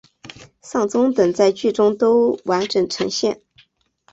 丧钟等在剧中都完整呈现。